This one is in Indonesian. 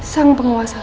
sang penguasa sungai